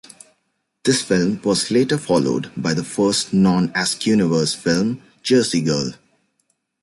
This film was later followed by the first non-Askewniverse film, "Jersey Girl".